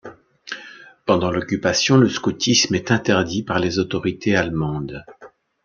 Pendant l'Occupation, le scoutisme est interdit par les autorités allemandes.